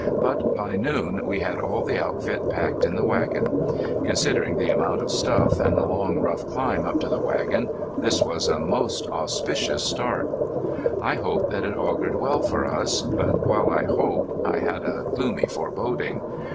But by noon we had all the outfit packed in the wagon. Considering the amount of stuff, and the long, rough climb up to the wagon, this was a most auspicious start. I hoped that it augured well for us, but while I hoped I had a gloomy foreboding.